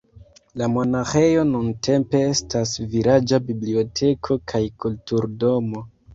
La monaĥejo nuntempe estas vilaĝa biblioteko kaj kulturdomo.